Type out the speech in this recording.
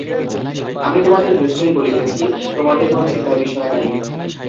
আমি তোমাদের নিশ্চয় বলিতেছি তোমাদের কোনো চিন্তার বিষয় নাই।